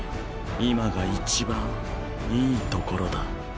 今が一番いいところだ。